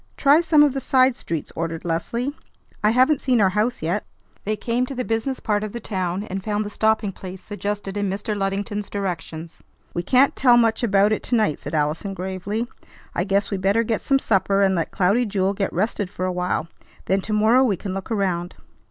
"Try some of the side streets," ordered Leslie; "I haven't seen our house yet." They came to the business part of the town, and found the stopping place suggested in Mr. Luddington's directions. "We can't tell much about it to night," said Allison gravely. "I guess we better get some supper and let Cloudy Jewel get rested for a while. Then to morrow we can look around."